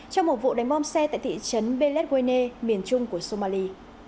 trong một vụ đánh bom xe tại thị trấn belleswayne miền trung của somali